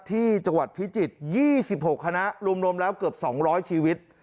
ที่จังหวัดพิจิตย์ยี่สิบหกคณะรวมรวมแล้วเกือบสองร้อยชีวิต